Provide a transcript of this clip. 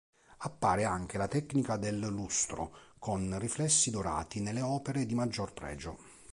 Appare anche la "tecnica del lustro", con riflessi dorati nelle opere di maggior pregio.